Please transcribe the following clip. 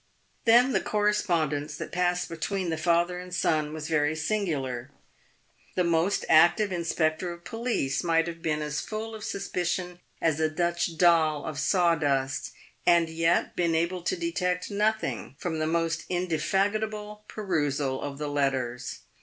Then the correspondence that passed be tween the father and son was very singular. The most active inspector of police might have been as full of suspicion as a Dutch doll of saw dust, and yet been able to detect nothing from the most indefatigable perusal of the letters.